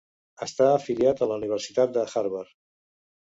Està afiliat a la Universitat de Harvard.